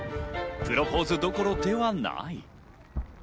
プロポーズどころではない。